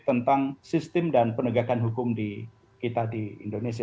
tentang sistem dan penegakan hukum di kita di indonesia